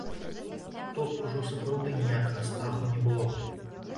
Тут ужо сапраўды ніякага страху не было.